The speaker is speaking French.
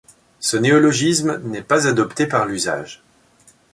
Ce néologisme n'est pas adopté par l'usage.